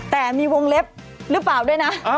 แต่มีวงเล็บหรือเปล่าด้วยนะ